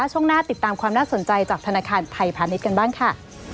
ช่วงหน้าติดตามความน่าสนใจจากธนาคารไทยพาณิชย์กันบ้างค่ะ